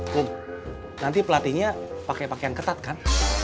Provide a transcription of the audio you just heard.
tuh nanti pelatihnya pakai pakaian ketat kan